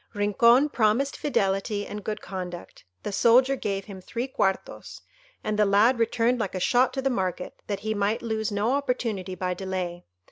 Rincon promised fidelity and good conduct; the soldier gave him three quartos, and the lad returned like a shot to the market, that he might lose no opportunity by delay.